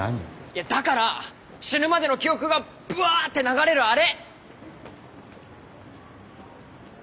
いやだから死ぬまでの記憶がぶわーって流れるあれ。